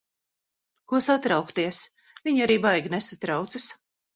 Ko satraukties. Viņi arī baigi nesatraucas.